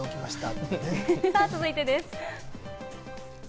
さぁ続いてです。